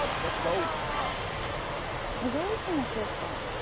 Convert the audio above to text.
えっどうしましょうか。